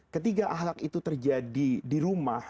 ketiga ahlak itu terjadi di rumah